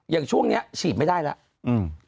อย่างช่วงนี้ฉีดไม่ได้แล้ว